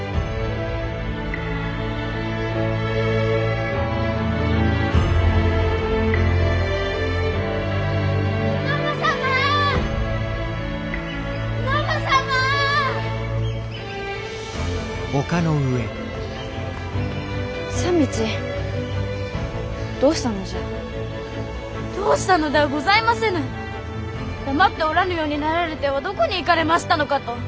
黙っておらぬようになられてはどこに行かれましたのかと！